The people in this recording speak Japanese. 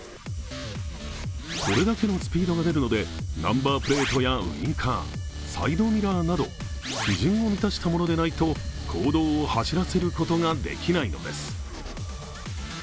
これだけのスピードが出るので、ナンバープレートやウインカー、サイドミラーなど基準を満たしたものでないと公道を走らせることができないのです。